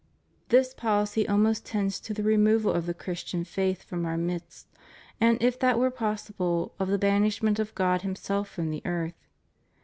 This policy almost tends to the removal of the Christian faith from our midst, and, if that were possible, of the banish ment of God Himself from the earth.